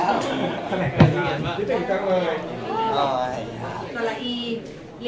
ภูมิสุดที่มาก